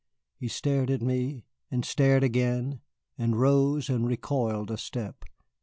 He stared at me, and stared again, and rose and recoiled a step.